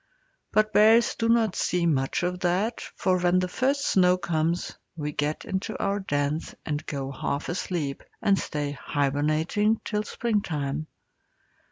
But bears do not see much of that, for when the first snow comes we get into our dens and go half asleep, and stay hibernating till springtime.